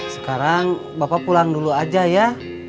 sekarang bapak pulang dulu aja ya